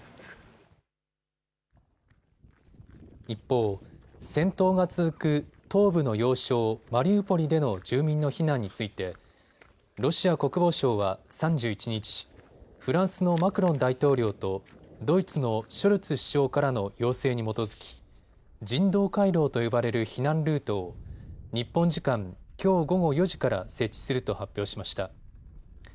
一方、戦闘が続く東部の要衝マリウポリでの住民の避難についてロシア国防省は３１日、フランスのマクロン大統領とドイツのショルツ首相からの要請に基づき人道回廊と呼ばれる避難ルートを日本時間きょう午後４時から設置すると発表しました。